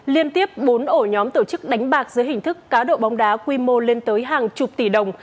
liên tiếp bốn ổ nhóm tổ chức đánh bạc dưới hình thức cá độ bóng đá quy mô lên tới hàng chục tỷ đồng